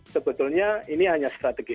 sebetulnya ini hanya strategis